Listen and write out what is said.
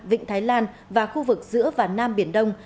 vịnh thái lan và khu vực giữa và nam biển đông